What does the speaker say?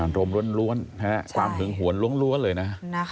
อารมณ์ล้วนความหึงหวนล้วนเลยนะ